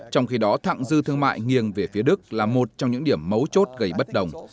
trong khi đó thẳng dư thương mại nghiêng về phía đức là một trong những điểm mấu chốt gây bất đồng